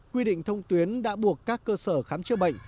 quy định thông tuyến đã buộc các cơ sở khám chữa bệnh